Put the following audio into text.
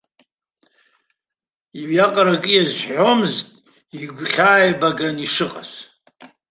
Уиаҟара акы иазҳәомызт игәхьааибаган ишыҟаз.